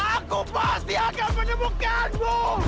aku pasti akan menemukanmu